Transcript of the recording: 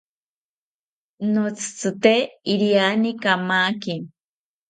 Notzitzite iriani kamaki